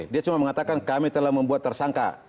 dia cuma mengatakan kami telah membuat tersangka